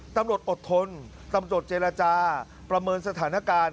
อดทนตำรวจเจรจาประเมินสถานการณ์